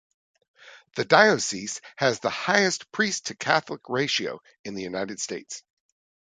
The diocese has the highest priest-to-Catholic ratio in the United States.